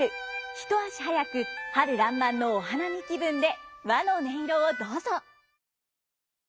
一足早く春らんまんのお花見気分で和の音色をどうぞ！